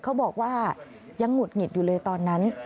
เขาบอกว่ายังหุดหงิดอยู่เลยตอนนั้น